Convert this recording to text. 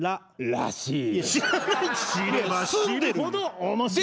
らしい。